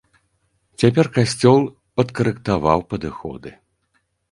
Цяпер касцёл падкарэктаваў падыходы.